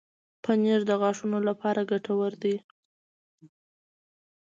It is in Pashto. پنېر د غاښونو لپاره ګټور دی.